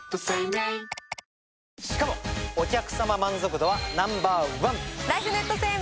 しかもお客さま満足度はナンバーワン！